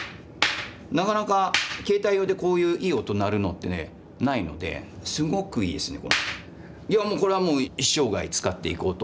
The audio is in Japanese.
なかなか携帯用でこういういい音鳴るのってねないのですごくいいですね。